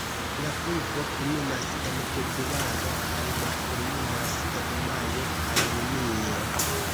La pluvo kulminas en februaro kaj malkulminas en majo kaj junio.